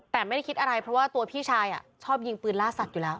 แต่ไม่ได้คิดอะไรเพราะว่าตัวพี่ชายชอบยิงปืนล่าสัตว์อยู่แล้ว